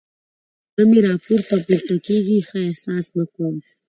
زړه مې راپورته پورته کېږي؛ ښه احساس نه کوم.